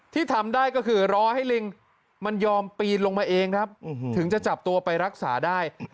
ที่ทำได้ก็คือรอให้ลิงมันยอมปีนลงมาเองครับถึงจะจับตัวไปรักษาได้